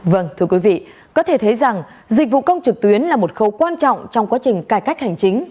vâng thưa quý vị có thể thấy rằng dịch vụ công trực tuyến là một khâu quan trọng trong quá trình cải cách hành chính